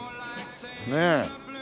ねえ。